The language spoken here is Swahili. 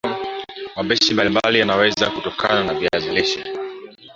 Mapishi mbalimbali yanaweza kutokana na viazi lishe